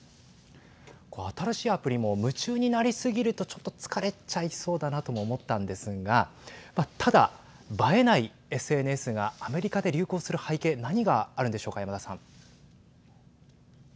これ、新しいアプリも夢中になりすぎるとちょっと疲れちゃいそうだなとも思ったんですがただ、映えないＳＮＳがアメリカで流行する背景何があるんでしょうか山田さん。